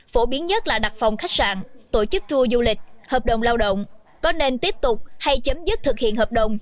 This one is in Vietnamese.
phổ biến nhất là đặt phòng khách sạn tổ chức tour du lịch hợp đồng lao động có nên tiếp tục hay chấm dứt thực hiện hợp đồng